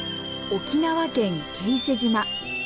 沖縄県慶伊瀬島。